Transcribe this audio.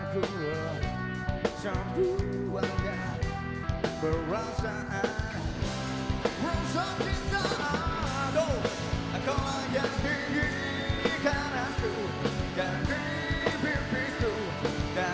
terima kasih juga